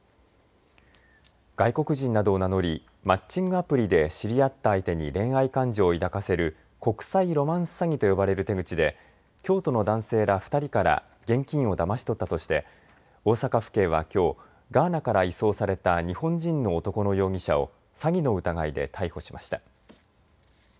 外国人などを名乗りマッチングアプリで知り合った相手に恋愛感情を抱かせる国際ロマンス詐欺と呼ばれる手口で京都の男性ら２人から現金をだまし取ったとして大阪府警はきょうガーナから移送された日本人の男の容疑者を詐欺の疑いで逮捕しました。